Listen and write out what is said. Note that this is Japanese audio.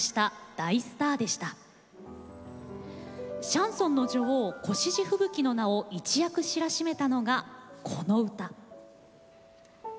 シャンソンの女王越路吹雪の名を一躍知らしめたのがこの歌。